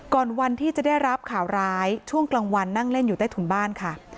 วันที่จะได้รับข่าวร้ายช่วงกลางวันนั่งเล่นอยู่ใต้ถุนบ้านค่ะ